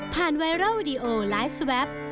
ไวรัลวิดีโอไลฟ์สแวป